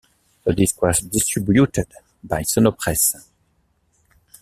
The disc was distributed by "Sonopresse".